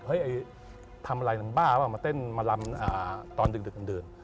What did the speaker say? เฮ้ยทำอะไรนั่งบ้าวมาเต้นมาลำตอนดึกดื่น